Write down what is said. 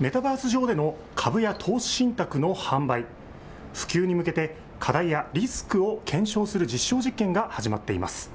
メタバース上での株や投資信託の販売、普及に向けて課題やリスクを検証する実証実験が始まっています。